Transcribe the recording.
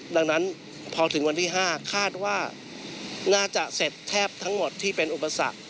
ดังนั้นพอถึงวันที่๕คาดว่าน่าจะเสร็จแทบทั้งหมดที่เป็นอุปสรรค